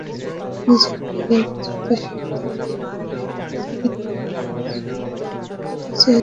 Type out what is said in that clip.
নিজের ক্যারিয়ার বাঁচাতে শেষ দান হিসেবেই নাকি তিনি রিয়ালে চলে যেতে চাইছেন।